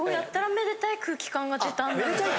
めでたい空気感？